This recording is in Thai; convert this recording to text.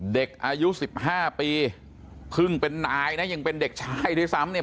เด็กอายุสิบห้าปีเพิ่งเป็นนายนะยังเป็นเด็กชายด้วยซ้ำเนี่ย